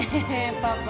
パパ